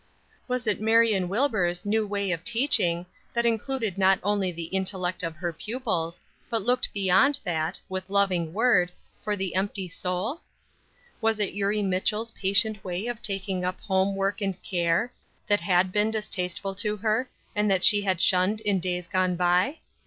Was it Marion Wilbur's new way of teaching, that included not only the intellect of her pupils, but looked beyond that, with loving word, for the empty soul? Was it Eurie Mitchell's patient way of taking up home work and care, that had been distasteful to her, and that she had shunned in days gone by?